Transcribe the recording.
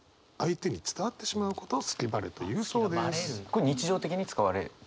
これ日常的に使われている？